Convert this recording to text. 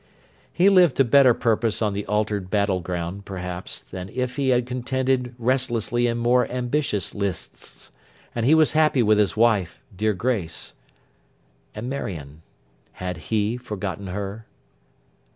He lived to better purpose on the altered battle ground, perhaps, than if he had contended restlessly in more ambitious lists; and he was happy with his wife, dear Grace. And Marion. Had he forgotten her?